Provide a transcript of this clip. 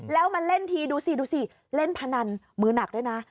แล้วมาเล่นทีดูสิดูสิเล่นพนันมือหนักด้วยนะ